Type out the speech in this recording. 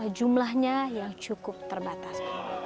jumlahnya yang cukup terbatas